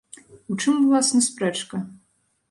У чым, уласна, спрэчка?